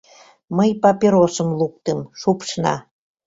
Мый папиросым луктым, шупшна.